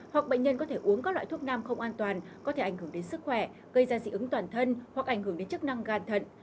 hoặc bệnh nhân có thể uống các loại thuốc nam không an toàn có thể ảnh hưởng đến sức khỏe gây ra dị ứng toàn thân hoặc ảnh hưởng đến chức năng gan thận